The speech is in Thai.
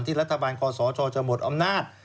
รัฐบาลคอสชจะหมดอำนาจ